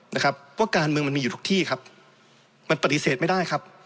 นะครับว่าการเมืองมันมีอยู่ทุกที่ครับมันปฏิเสธไม่ได้ครับ